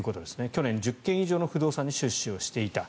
去年、１０件以上の不動産に出資をしていた。